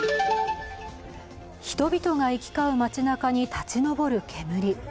人々が行き交う街なかに立ち上る煙。